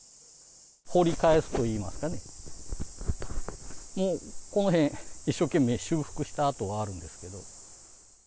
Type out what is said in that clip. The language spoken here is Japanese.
掘り返すといいますかね、もうこの辺、一生懸命修復した跡があるんですけど。